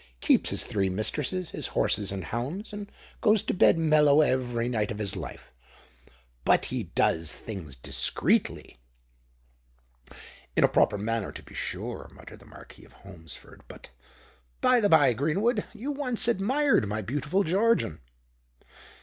Keeps his three mistresses, his horses and hounds, and goes to bed mellow every night of his life. But he does things discreetly." "In a proper manner, to be sure," muttered the Marquis of Holmesford. "But, by the by, Greenwood, you once admired my beautiful Georgian."